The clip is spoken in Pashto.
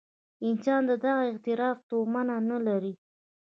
انسان د دغه اعتراف تومنه نه لري.